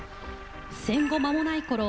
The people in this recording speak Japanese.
戦後まもないころ